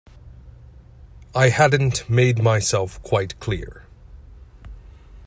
I hadn't made myself quite clear.